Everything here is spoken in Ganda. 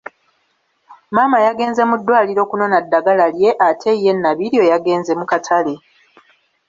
Maama yagenze mu ddwaliro kunona ddagala lye ate ye Nabiryo yagenze mu katale.